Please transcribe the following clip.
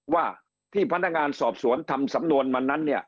ว่าที่พนักงานสอบสวนทำสำนวนมานั้นเนี่ย